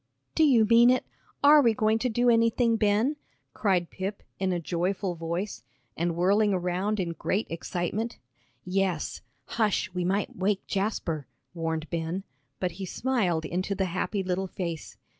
"Do you mean it; are we going to do anything, Ben?" cried Pip, in a joyful voice, and whirling around in great excitement. "Yes hush, we might wake Jasper," warned Ben, but he smiled into the happy little face.